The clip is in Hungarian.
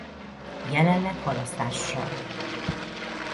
Jelenleg halasztással.